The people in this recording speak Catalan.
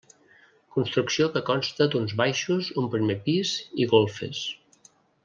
Construcció que consta d'uns baixos, un primer pis i golfes.